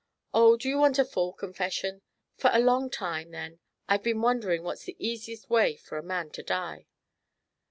"Oh; do you want a full confession? For a long time, then, I've been wondering what's the easiest way for a man to die.